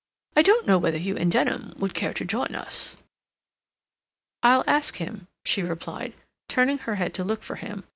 "I don't know whether you and Denham would care to join us." "I'll ask him," she replied, turning her head to look for him.